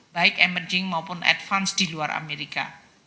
baik emerging maupun advance di luar amerika